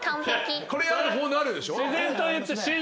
これやるとこうなるでしょ。